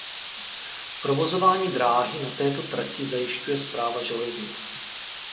Provozování dráhy na této trati zajišťuje Správa železnic.